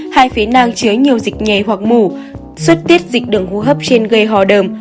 hai phế nang chứa nhiều dịch nhé hoặc mù xuất tiết dịch đường hô hấp trên gây hò đơm